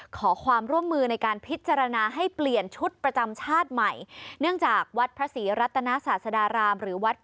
ขอความร่วมมือในการพิจารณาให้เปลี่ยนชุดประจำชาติใหม่